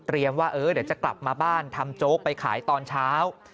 ว่าเดี๋ยวจะกลับมาบ้านทำโจ๊กไปขายตอนเช้า